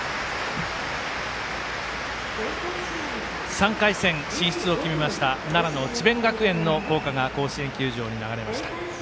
３回戦進出を決めました奈良の智弁学園の校歌が甲子園球場に流れました。